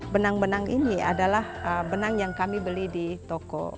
benang benang ini adalah benang yang kami beli di toko